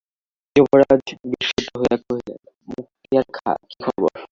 যুবরাজ বিস্মিত হইয়া কহিলেন, মুক্তিয়ার খাঁ, কী খবর?